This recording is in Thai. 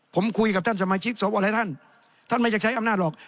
ผมคุยกับท่านสมาชิกท่านไม่อยากใช้อำนาจหรอก